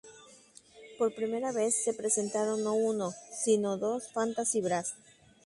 Por primera vez se presentaron no uno, si no dos "Fantasy Bras".